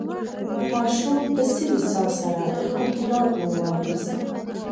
ماشوم په سوې ساه سره د خپل پلار نوم واخیست.